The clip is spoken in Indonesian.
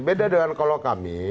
beda dengan kalau kami